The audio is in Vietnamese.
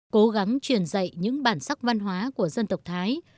cố gắng truyền dạy những bản sắc văn hóa của dân tộc thái